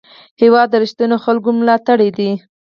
هېواد د رښتینو خلکو ملاتړی دی.